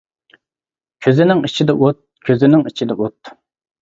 كۆزنىڭ ئىچىدە ئوت، كۆزنىڭ ئىچىدە ئوت.